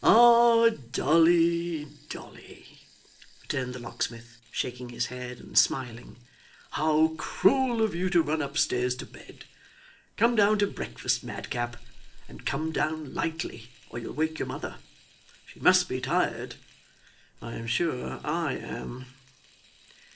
'Ah Dolly, Dolly!' returned the locksmith, shaking his head, and smiling, 'how cruel of you to run upstairs to bed! Come down to breakfast, madcap, and come down lightly, or you'll wake your mother. She must be tired, I am sure I am.